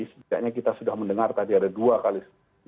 setidaknya kita sudah mendengar tadi ada dua kali